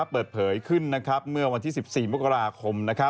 เปิดเผยขึ้นเมื่อวันที่๑๔มกราคม